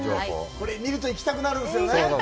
これ見ると行きたくなるんですね。